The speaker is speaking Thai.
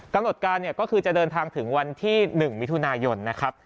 กำหนดการก็คือจะเดินทางถึงวันที่๑มิถุนายน